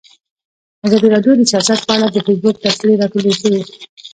ازادي راډیو د سیاست په اړه د فیسبوک تبصرې راټولې کړي.